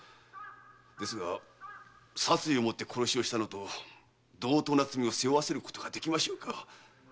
ですが殺意を持って殺しをしたのと同等な罪を背負わせることができましょうか。